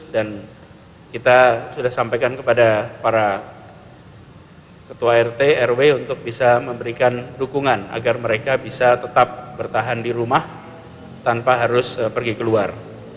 dan kita sudah sampaikan kepada para ketua rt rw untuk bisa memberikan dukungan agar mereka bisa tetap bertahan di rumah tanpa harus pergi keluar